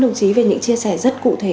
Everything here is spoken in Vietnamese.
đồng chí về những chia sẻ rất cụ thể